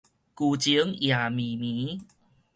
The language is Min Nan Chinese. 舊情也綿綿